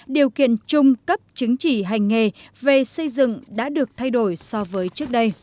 điều kiện chung cấp chứng chỉ hành nghề về xây dựng đã được thay đổi so với trước đây